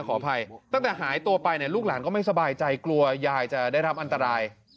ขออภัยตั้งแต่หายตัวไปเนี่ยลูกหลานก็ไม่สบายใจกลัวยายจะได้รับอันตราย